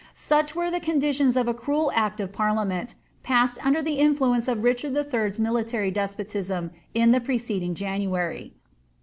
Such were the conditions of a cruel act of parliament, passed under the influence of Richard lll.'s military despotism in the preceding January.